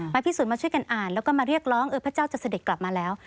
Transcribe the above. พิสูจนมาช่วยกันอ่านแล้วก็มาเรียกร้องเออพระเจ้าจะเสด็จกลับมาแล้ว